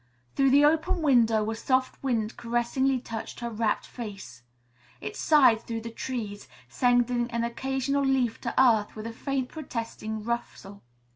Through the open window a soft wind caressingly touched her rapt face. It sighed through the trees, sending an occasional leaf to earth with a faint protesting rustle.